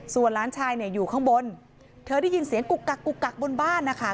ส่วนหลานชายเนี่ยอยู่ข้างบนเธอได้ยินเสียงกุกกักกุกกักบนบ้านนะคะ